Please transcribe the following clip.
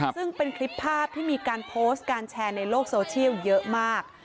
ซึ่งเป็นคลิปภาพที่มีการโพสต์การแชร์ในโลกโซเชียลเยอะมาก